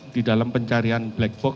di dalam pencarian black box